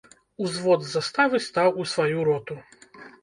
Узвод з заставы стаў у сваю роту.